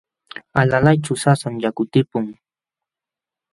Alalayćhu sasam yaku timpun.